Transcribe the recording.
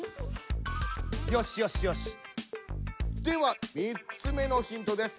では３つ目のヒントです。